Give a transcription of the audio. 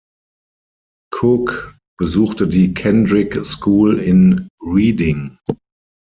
Cook besuchte die Kendrick School in Reading.